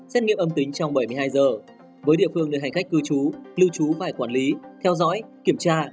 xét nghiệm âm tính trong bảy mươi hai giờ với địa phương nơi hành khách cư trú lưu trú phải quản lý theo dõi kiểm tra